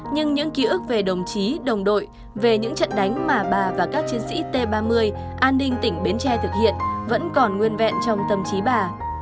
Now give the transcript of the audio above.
nhưng những ký ức về đồng chí đồng đội về những trận đánh mà bà và các chiến sĩ t ba mươi an ninh tỉnh bến tre thực hiện vẫn còn nguyên vẹn trong tâm trí bà